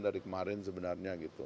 dari kemarin sebenarnya gitu